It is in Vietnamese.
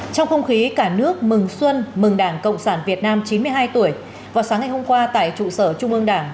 trong không khí cả nước mừng xuân mừng đảng cộng sản việt nam chín mươi hai tuổi vào sáng ngày hôm qua tại trụ sở trung ương đảng